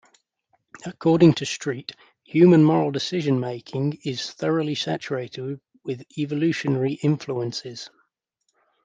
According to Street, human moral decision-making is "thoroughly saturated" with evolutionary influences.